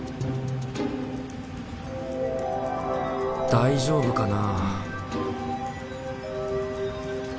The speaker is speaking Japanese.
大丈夫かな？